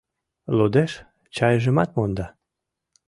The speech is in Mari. Лудеш, чайжымат монда.